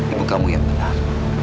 ibu kamu yang benar